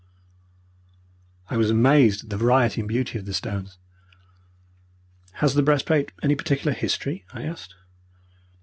I was amazed at the variety and beauty of the stones. "Has the breastplate any particular history?" I asked.